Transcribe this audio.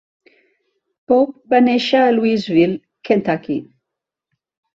Pope va néixer a Louisville, Kentucky.